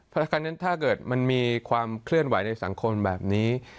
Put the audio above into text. เพราะฉะนั้นถ้าเกิดมันมีความเคลื่อนไหวในสังคมแบบนี้